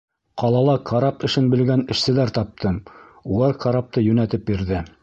Ҡалала карап эшен белгән эшселәр таптым, улар карапты йүнәтеп бирҙе.